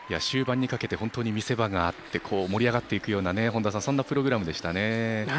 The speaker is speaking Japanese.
終盤にかけて本当に見せ場があって盛り上がっていくようなそんなプログラムでしたね。